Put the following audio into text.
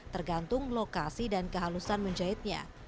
tergantung lokasi dan kehalusan menjahitnya